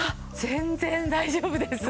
全然大丈夫です。